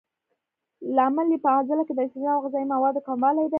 لامل یې په عضله کې د اکسیجن او غذایي موادو کموالی دی.